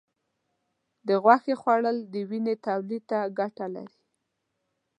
د غوښې خوړل د وینې تولید ته ګټه لري.